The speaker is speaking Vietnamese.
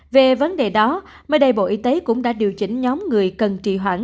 về vấn đề đó mới đây bộ y tế cũng đã điều chỉnh nhóm người cần trị hoạt động